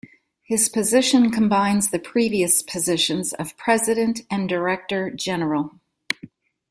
His position combines the previous positions of president and director general.